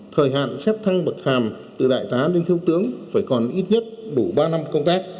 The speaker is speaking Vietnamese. thời hạn xét thăng bậc hàm từ đại tá đến thương tướng phải còn ít nhất bủ ba năm công tác